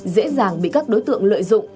dễ dàng bị các đối tượng lợi dụng